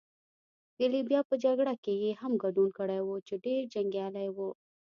د لیبیا په جګړه کې يې هم ګډون کړی وو، چې ډېر جنګیالی وو.